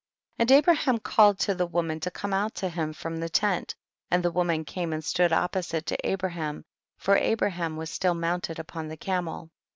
And Abraham called to the woman to come out to him from the lent, and the woman came and stood opposite to Abraham, for Abraham was still mounted upon the camel.